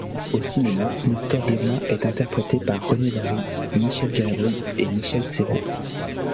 Au cinéma, Nestor Burma est interprété par René Dary, Michel Galabru et Michel Serrault.